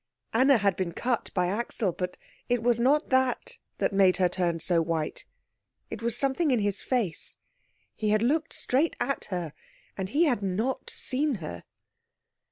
Anna had been cut by Axel; but it was not that that made her turn so white it was something in his face. He had looked straight at her, and he had not seen her.